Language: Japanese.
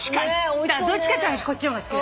どっちかっていったら私こっちの方が好き。